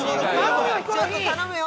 ちょっと頼むよ